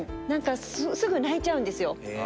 何かすぐ泣いちゃうんですよ。